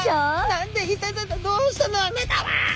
何でいたたどうしたのあなたは！？